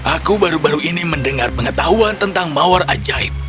aku baru baru ini mendengar pengetahuan tentang mawar ajaib